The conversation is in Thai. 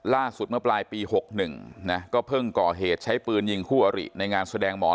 เมื่อปลายปี๖๑นะก็เพิ่งก่อเหตุใช้ปืนยิงคู่อริในงานแสดงหมอ